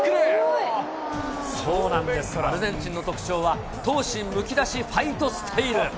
そうなんです、アルゼンチンの特徴は闘志むき出し、ファイトスタイル。